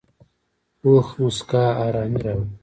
پوخ مسکا آرامي راوړي